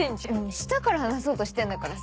したから話そうとしてんだからさ。